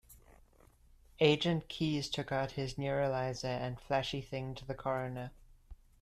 Agent Keys took out his neuralizer and flashy-thinged the coroner.